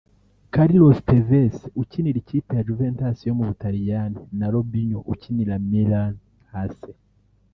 Carlos Tevez ukinira ikipe ya Juventus yo mu Butaliyani na Robinho ukinira Milan Ac